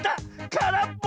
からっぽ！